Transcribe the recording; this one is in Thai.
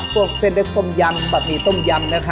ปลูกเส้นเลือดกลมยำเบบหมี่กิลเลย